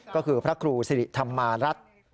ก็คือพระครูสิริธรรมารัฐ